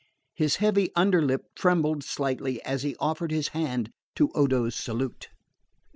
His heavy under lip trembled slightly as he offered his hand to Odo's salute.